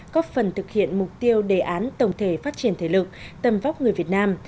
góp phần thực hiện mục tiêu đề án tổng thể phát triển thể lực tầm vóc người việt nam